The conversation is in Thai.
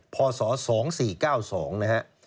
พศ๒๔๙๒นะฮะ